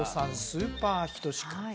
スーパーヒトシ君